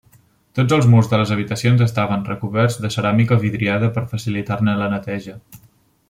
Tots els murs de les habitacions estaven recoberts de ceràmica vidriada per facilitar-ne la neteja.